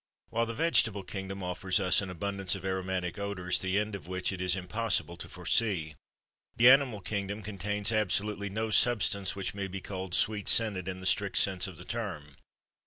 While the vegetable kingdom offers us an abundance of aromatic odors the end of which it is impossible to foresee, the animal kingdom contains absolutely no substance which may be called sweet scented in the strict sense of the term.